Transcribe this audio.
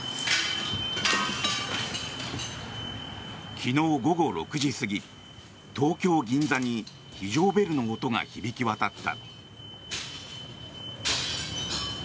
昨日午後６時過ぎ東京・銀座に非常ベルの音が響き渡った。